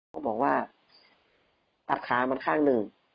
เขาบอกว่าตัดขามันข้างหนึ่ง